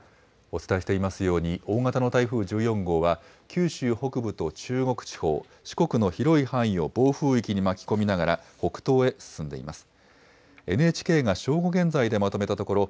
お伝えしていますように、大型の台風１４号は、九州北部と中国地方、四国の広い範囲を暴風域に巻き込みながら、北東へ進んでいます。